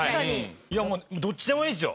いやもうどっちでもいいですよ。